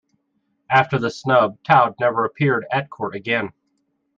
After this snub, Taube never appeared at court again.